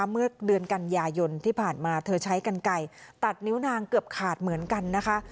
เมื่อเดือนกันยายนที่ผ่านมาเธอใช้กันไก่ตัดนิ้วนางเกือบขาดเหมือนกันนะคะ